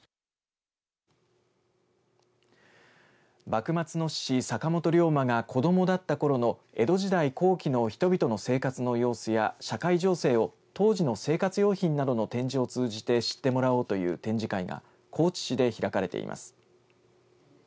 幕末の志士、坂本龍馬が子どもだったころの江戸時代後期の人々の生活の様子や社会情勢を当時の生活用品などの展示を通じて知ってもらおうという展示会が高知市で開かれています。